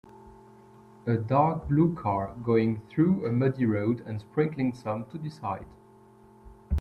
A dark blue car going through a muddy road and sprinkling some to the side.